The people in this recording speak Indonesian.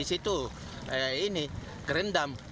di situ ini kerendam